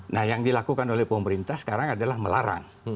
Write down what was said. nah yang dilakukan oleh pemerintah sekarang adalah melarang